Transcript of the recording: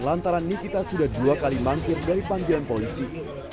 lantaran nikita sudah dua kali mangkir dari panggilan polisi